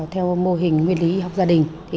theo mô hình nguyên lý y học gia đình